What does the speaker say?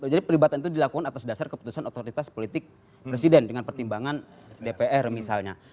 jadi pelibatan itu dilakukan atas dasar keputusan otoritas politik presiden dengan pertimbangan dpr misalnya